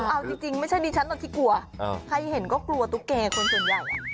เอาจริงไม่ใช่ดิฉันตอนที่กลัวใครเห็นก็กลัวตุ๊กแก่คนส่วนใหญ่